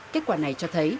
kết quả này cho thấy